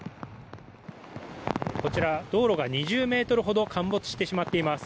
こちら、道路が２０ｍほど陥没してしまっています。